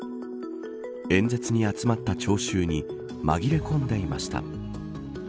演説に集まった聴衆に紛れ込んでいました。